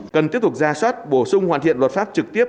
cần tiếp tục ra soát bổ sung hoàn thiện luật pháp trực tiếp